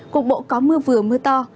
cục bộ có mưa vừa mưa to